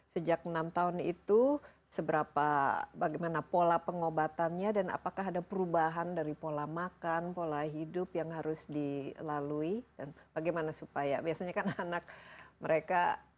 sejak enam tahun itu seberapa bagaimana pola pengobatannya dan apakah ada perubahan dari pola makan pola hidup yang harus dilalui dan bagaimana supaya biasanya kan anak mereka